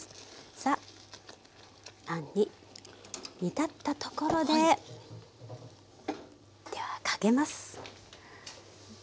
さああんに煮立ったところでではかけます。